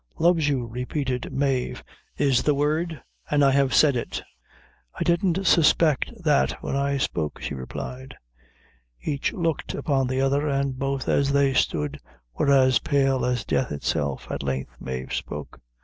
"Loves you," repeated Mave, "is the word, an I have said it." "I didn't suspect that when I spoke," she replied. Each looked upon the other, and both as they stood were as pale as death itself. At length Mave spoke.